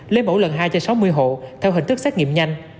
lấy mẫu lần hai cho sáu mươi hộ theo hình thức xét nghiệm nhanh